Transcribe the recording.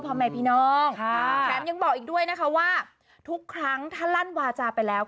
พ่อแม่พี่น้องแถมยังบอกอีกด้วยนะคะว่าทุกครั้งถ้าลั่นวาจาไปแล้ว